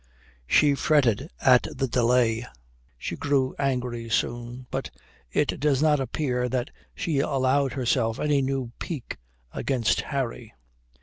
She fretted at the delay, she grew angry soon, but it does not appear that she allowed herself any new pique against Harry.